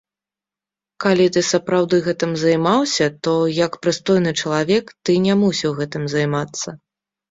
Калі ты сапраўды гэтым займаўся, то як прыстойны чалавек, ты не мусіў гэтым займацца.